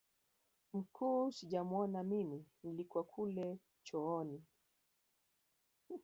mkuu sijamuona mimi nilikuwa kule chooni